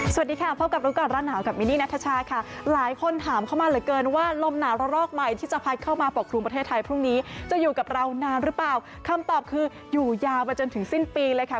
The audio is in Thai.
สวัสดีค่ะพบกับรู้ก่อนร้อนหนาวกับมินนี่นัทชาค่ะหลายคนถามเข้ามาเหลือเกินว่าลมหนาวระลอกใหม่ที่จะพัดเข้ามาปกครุมประเทศไทยพรุ่งนี้จะอยู่กับเรานานหรือเปล่าคำตอบคืออยู่ยาวไปจนถึงสิ้นปีเลยค่ะ